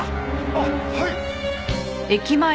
あっはい！